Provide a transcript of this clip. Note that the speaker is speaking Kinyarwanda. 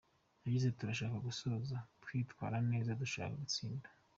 Yagize ati “Turashaka gusoza twitwara neza, dushaka gutsinda.